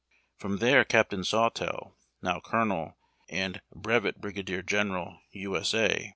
From there Captain Sawtell, now colonel and brevet briga dier general U. S. A.